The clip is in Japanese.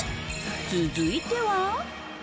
続いては。